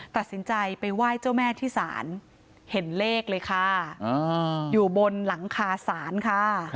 ตัดสินใจไปไหว้เจ้าแม่ที่ศาลเห็นเลขเลยค่ะอยู่บนหลังคาศาลค่ะ